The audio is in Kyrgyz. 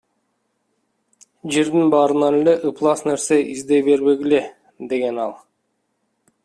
Жердин баарынан эле ыплас нерсе издей бербегиле, — деген ал.